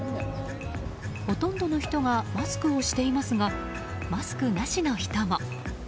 ほとんどの人がマスクをしていますがマスクなしの人も。